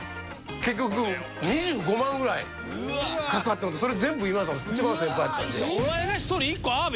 結局２５万ぐらいかかったのでそれ全部今田さん一番先輩やったんで。